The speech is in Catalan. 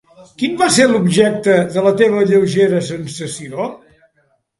Quin va ser l'objecte de la teva lleugera sensació?